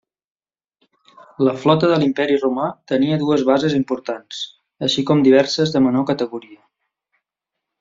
La flota de l'Imperi Romà tenia dues bases importants, així com diverses de menor categoria.